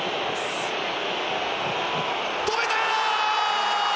止めた！